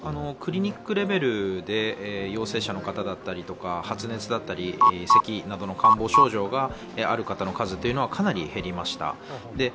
クリニックレベルで陽性者の方だったり発熱だったりせきなどの感冒症状がある方の数というのはかなり減りました。